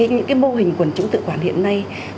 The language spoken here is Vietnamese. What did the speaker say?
những mô hình quần chúng tự quản hiện nay